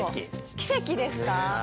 奇跡ですか。